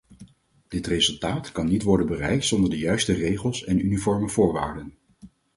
Dit resultaat kan niet worden bereikt zonder de juiste regels en uniforme voorwaarden.